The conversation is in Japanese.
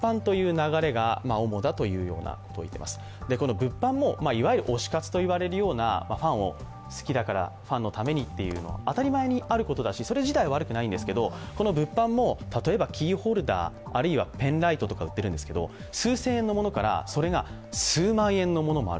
物販も、いわゆる推し活と言われるような好きだから、ファンのためにというのは当たり前にあることだし、それ自体、悪いことではないんですが、例えばキーホルダーとかあるいはペンライトとか売ってるんですけど、数千円のものから数万円のものもある。